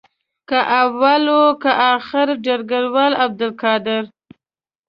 که اول وو که آخر ډګروال عبدالقادر.